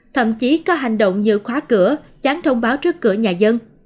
thậm chí có hành động như khóa cửa dán thông báo trước cửa nhà dân